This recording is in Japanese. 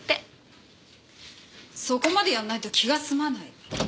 そこまでやんないと気がすまないわ。